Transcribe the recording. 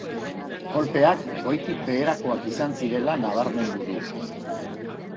Kolpeak goitik beherakoak izan zirela nabarmendu du.